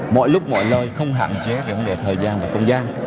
mọi lúc mọi lời không hạn chế về thời gian và công gian